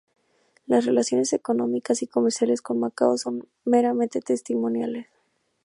Las relaciones económicas y comerciales con Macao son meramente testimoniales.